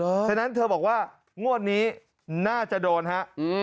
ฉะนั้นเธอบอกว่างวดนี้น่าจะโดนฮะ